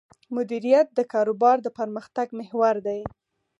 مدیریت د کاروبار د پرمختګ محور دی.